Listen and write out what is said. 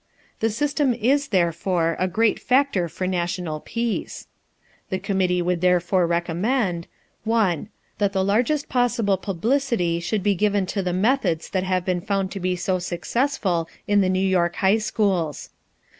The system is, therefore, a great factor for national peace. The committee would therefore recommend: 1. That the largest possible publicity should be given to the methods that have been found to be so successful in the New York high schools.